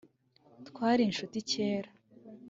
twari inshuti cyera